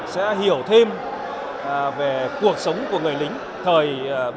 sẽ hiểu thêm về cuộc sống của người lính thời bốn